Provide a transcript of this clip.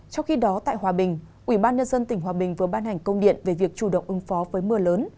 trong khi đó tại hòa bình ubnd tỉnh hòa bình vừa ban hành công điện về việc chủ động ứng phó với mưa lớn